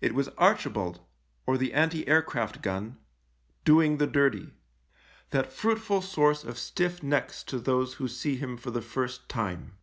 It was Archibald — or the anti aircraft gun —" doing the dirty," that fruitful source of stiff necks to those who see him for the first time.